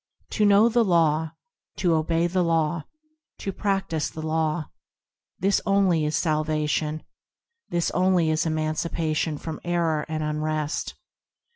To know the Law ; To obey the Law ; To practise the Law,– This only is salvation, This only is emancipation from error and unrest.